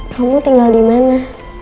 kamu tinggal dimana